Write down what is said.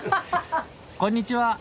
こんにちは。